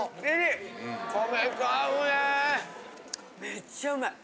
めっちゃうまい！